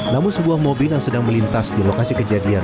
namun sebuah mobil yang sedang melintas di lokasi kejadian